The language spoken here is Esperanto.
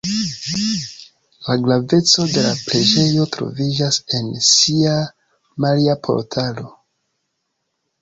La graveco de la preĝejo troviĝas en sia „Maria-Portalo“.